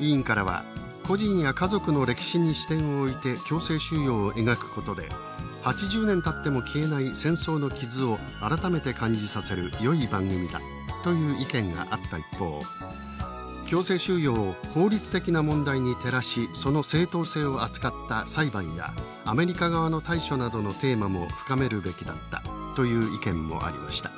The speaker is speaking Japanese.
委員からは「個人や家族の歴史に視点を置いて強制収容を描くことで８０年たっても消えない戦争の傷を改めて感じさせるよい番組だ」という意見があった一方「強制収容を法律的な問題に照らしその正当性を扱った裁判やアメリカ側の対処などのテーマも深めるべきだった」という意見もありました。